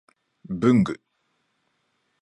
文具